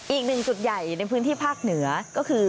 อีกหนึ่งจุดใหญ่ในพื้นที่ภาคเหนือก็คือ